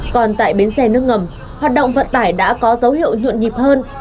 còn tại bến xe nước ngầm hoạt động vận tải đã có dấu hiệu nhộn nhịp hơn